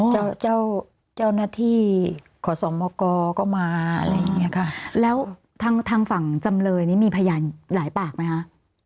เจ้าเจ้าเจ้าหน้าที่ขอสมกก็มาอะไรอย่างเงี้ยค่ะแล้วทางทางฝั่งจำเลยนี่มีพยานหลายปากไหมคะ